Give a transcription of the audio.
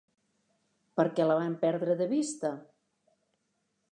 Per què la van perdre de vista?